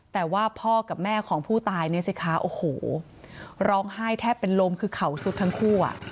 แต่ว่าพ่อกับแม่ของผู้ตายเนี่ยสิคะโอ้โหร้องไห้แทบเป็นลมคือเขาสุดทั้งคู่อ่ะ